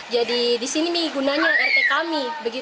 jadi di sini gunanya rt kami